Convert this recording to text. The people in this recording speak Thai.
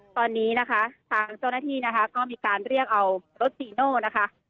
ตอนนี้นะคะทางเจ้าหน้าที่นะคะก็มีการเรียกเอารถจีโน่นะคะ